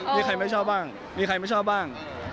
มีใครไม่ชอบบ้าง